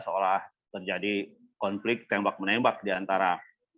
seolah terjadi konflik tembak menembak diantara